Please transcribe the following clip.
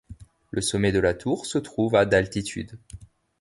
Le sommet de la tour se trouve à d'altitude.